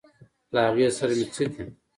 له هغې سره مې څه دي.